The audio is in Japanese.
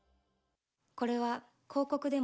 これは広告でも。